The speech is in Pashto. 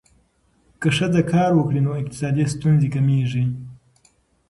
که ښځه کار وکړي، نو اقتصادي ستونزې کمېږي.